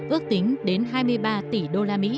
ước tính đến hai mươi ba tỷ usd